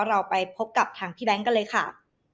เราไปพบกับทางพี่แบงค์กันเลยค่ะ